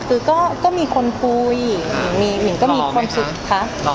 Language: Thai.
คือก็มีคนคุยมีความสุข